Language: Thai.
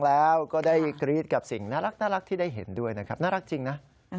แล้วก็ได้กรี๊ดกับสิ่งน่ารักที่ได้เห็นด้วยนะครับน่ารักจริงนะ